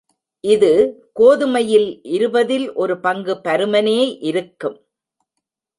இது கோதுமையில் இருபதில் ஒரு பங்கு பருமனே இருக்கும்.